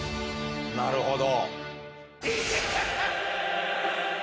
なるほど。